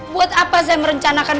buat apa saya merencanakan